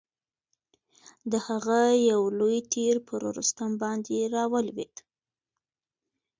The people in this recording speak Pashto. د هغه یو لوی تیر پر رستم باندي را ولوېد.